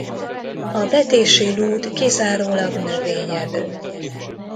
A vetési lúd kizárólag növényevő.